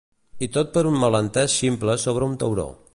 I tot per un malentès ximple sobre un tauró.